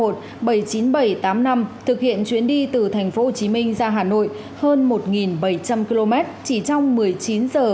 thực hiện chuyến đi từ tp hcm ra hà nội hơn một bảy trăm linh km chỉ trong một mươi chín h bốn mươi năm